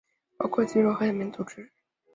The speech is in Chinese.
包括肌肉和海绵组织。